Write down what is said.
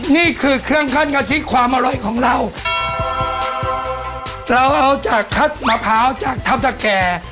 นี่คือเครื่องขั้นกะทิความอร่อยของเราเราเอาจากคัดมะพร้าวจากทัพตะแก่